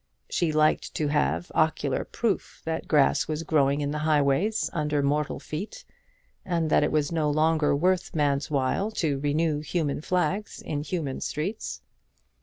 She liked to have ocular proof that grass was growing in the highways under mortal feet, and that it was no longer worth man's while to renew human flags in human streets.